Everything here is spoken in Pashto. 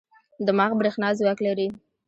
دماغ برېښنا ځواک لري.